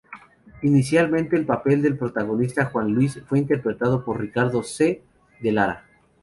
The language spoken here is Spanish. Inicialmente el papel del protagonista, Juan Luis, fue interpretado por Ricardo C. de Lara.